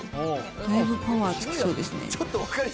だいぶパワーつきそうですね。